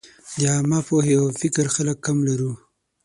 د عامې پوهې او فکر خلک کم لرو.